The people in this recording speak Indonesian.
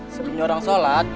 sebenernya orang sholat